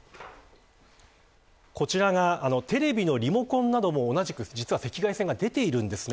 こちらがテレビのリモコンなども同じく実は赤外線が出ているんです。